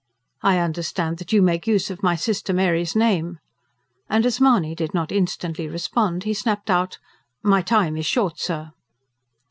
"I understand that you make use of my sister Mary's name." And, as Mahony did not instantly respond, he snapped out: "My time is short, sir!"